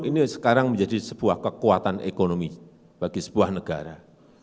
ini sekarang menjadi sebuah kekuatan ekonomi bagi sebuah negara